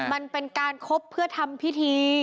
มันเป็นการคบเพื่อทำพิธี